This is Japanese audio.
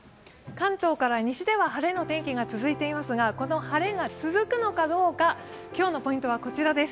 関東から西では晴れの天気が続いていますがこの晴れが続くのかどうか、今日のポイントはこちらです。